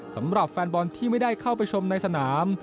สำหรับแฟนบอลที่ไม่ได้เข้าไปชมในสนาม